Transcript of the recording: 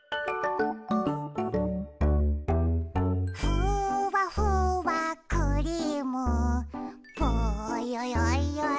「ふわふわクリームぽよよよよん」